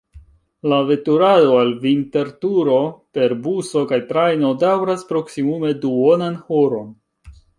La veturado al Vinterturo per buso kaj trajno daŭras proksimume duonan horon.